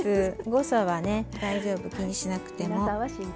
誤差は大丈夫、気にしなくても。